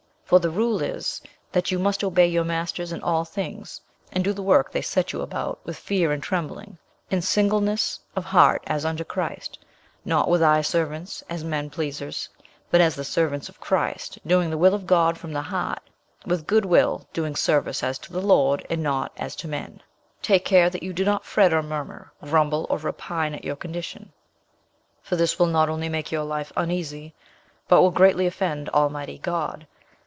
For the rule is, that you must obey your masters in all things, and do the work they set you about with fear and trembling, in singleness of heart as unto Christ; not with eye service, as men pleasers, but as the servants of Christ, doing the will of God from the heart; with good will doing service as to the Lord, and not as to men. "Take care that you do not fret or murmur, grumble or repine at your condition; for this will not only make your life uneasy, but will greatly offend Almighty God.